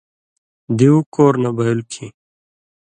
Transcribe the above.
دیُو کور نہ بئیلوۡ کھیں